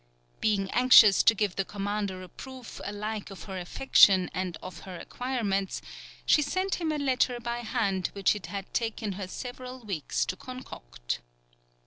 Being anxious to give the commander a proof alike of her affection and of her acquirements she sent him a letter by hand which it had taken her several weeks to concoct.